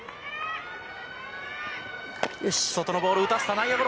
外のボール打たせた、内野ゴロ。